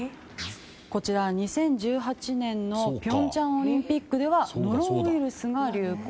２０１８年の平昌オリンピックではノロウイルスが流行。